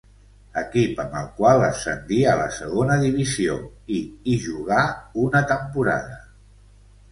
Equip amb el qual ascendí a la segona divisió i hi jugà una temporada.